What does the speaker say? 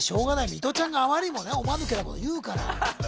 ミトちゃんがあまりにもおまぬけなこと言うから。